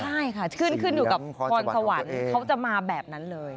ใช่ค่ะขึ้นขึ้นอยู่กับพรสวรรค์เขาจะมาแบบนั้นเลย